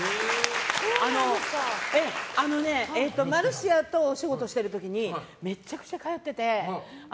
〇！マルシアとお仕事してる時にめちゃくちゃ通ってて。